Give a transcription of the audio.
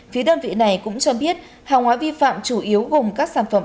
phía đơn vị này cũng cho biết hàng hóa vi phạm chủ yếu gồm các sản phẩm